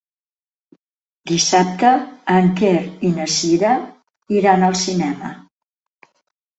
Dissabte en Quer i na Cira iran al cinema.